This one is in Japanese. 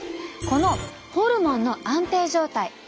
このホルモンの安定状態。